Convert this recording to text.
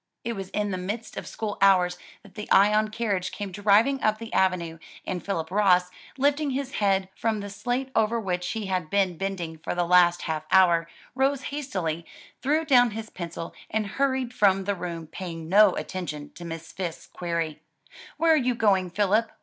It was in the midst of school hours that the Ion carriage came driving up the avenue, and Philip Ross, lifting his head from the slate over which he had been bending for the last half hour, rose hastily, threw down his pencil and hurried from the room, paying no attention to Miss Fisk's query, "Where are you going, Philip?"